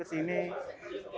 kita bisa membuat keuntungan